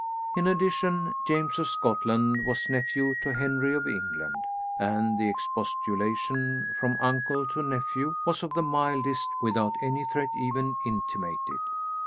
In addition, James of Scotland was nephew to Henry of England, and the expostulation from uncle to nephew was of the mildest, without any threat even intimated.